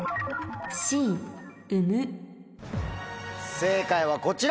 正解はこちら！